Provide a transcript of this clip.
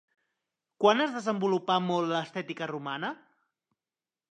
Quan es desenvolupà molt l'estètica romana?